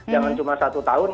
jangan cuma satu tahun